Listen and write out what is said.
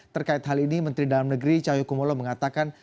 terkait hal ini menteri dalam negeri cahyokumolo mengatakan